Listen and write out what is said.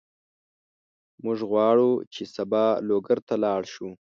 موږ غواړو چې سبا لوګر ته لاړ شو.